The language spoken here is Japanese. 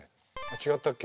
違ったっけ？